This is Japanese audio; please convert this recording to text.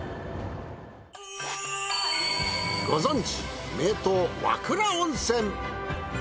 ご存じ名湯和倉温泉。